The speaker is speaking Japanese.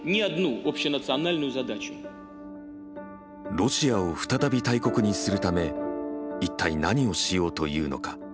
ロシアを再び大国にするため一体何をしようというのか？